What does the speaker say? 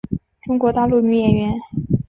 中国大陆女演员。